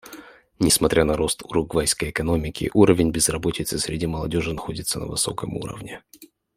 Несмотря на рост уругвайской экономики, уровень безработицы среди молодежи находится на высоком уровне.